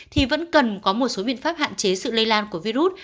thì vẫn cần có một số biện pháp hạn chế sự lây lan của virus